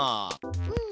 うん。